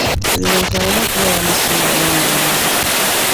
Buli muntu alina okubeera ne ssimu eyomulembe